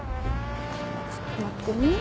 ちょっと待ってね。